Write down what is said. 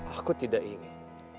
aku tidak ingin